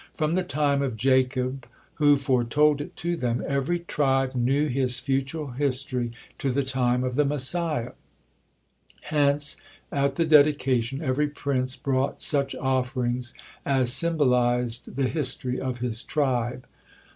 From the time of Jacob, who foretold it to them, every tribe knew his future history to the time of the Messiah, hence at the dedication every prince brought such offerings as symbolized the history of his tribe.